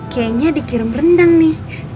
kayaknya dikirim rendang nih